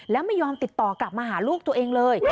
แล้วไม่ยอมติดต่อกลับมาหาลูกตัวเองเลย